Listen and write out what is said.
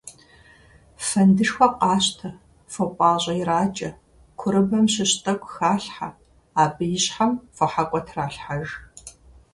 Фэндышхуэ къащтэ, фо пIащIэ иракIэ, курыбэм щыщ тIэкIу халъхьэ, абы и щхьэм фохьэкIуэ тралъхьэж.